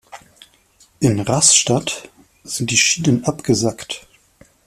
In Rastatt sind die Schienen abgesackt.